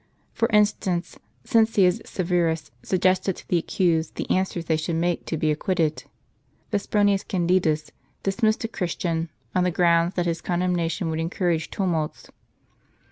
For instance, Cincius Severus sug gested to the accused the answers they should make, to be acquitted. Vespronius Candidus dismissed a Christian, on the ground that his condemnation would encourage tumults.